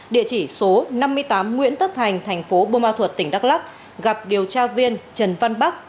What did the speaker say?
địa chỉ số năm mươi tám nguyễn tất thành thành phố bô ma thuật tỉnh đắk lắc gặp điều tra viên trần văn bắc